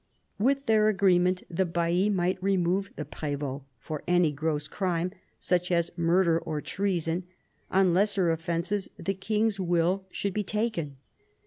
With their agreement the baillis might remove the prMts for any gross crime, such as murder or treason; on lesser offences the king's will should be taken.